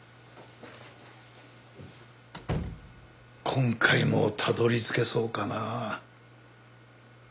今回もたどり着けそうかな。